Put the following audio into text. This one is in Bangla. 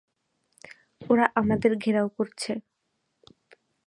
ওরা আমাদের ঘেরাও করছে।